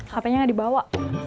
hape nya gak dibawa